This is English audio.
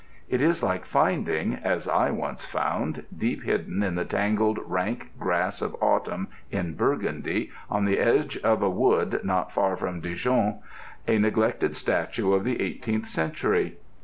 It is like finding, as I once found, deep hidden in the tangled rank grass of autumn in Burgundy, on the edge of a wood not far from Dijon, a neglected statue of the eighteenth century.